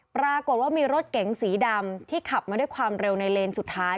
ปรากฏว่ามีรถเก๋งสีดำที่ขับมาด้วยความเร็วในเลนสุดท้าย